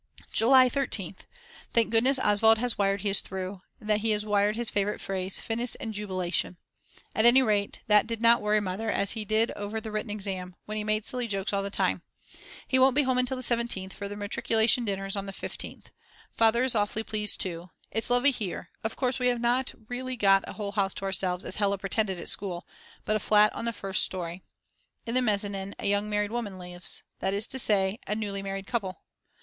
July 13th. Thank goodness Oswald has wired he is through, that is he has wired his favourite phrase: Finis with Jubilation. At any rate that did not worry Mother as he did over the written exam., when he made silly jokes all the time. He won't be home until the 17th, for the matriculation dinner is on the 15th. Father is awfully pleased too. It's lovely here; of course we have not really got a whole house to ourselves, as Hella pretended at school, but a flat on the first story; in the mezzanin a young married woman lives, that is to say a _newly married couple!!